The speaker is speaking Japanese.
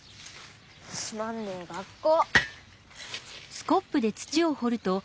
つまんねえ学校！